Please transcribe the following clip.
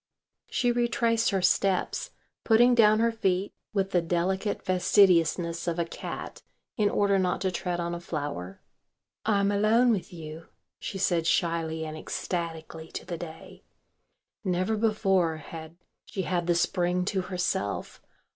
She retraced her steps, putting down her feet with the delicate fastidiousness of a cat in order not to tread on a flower. "I'm alone with you," she said shyly and ecstatically to the day. Never before had she had the Spring to herself.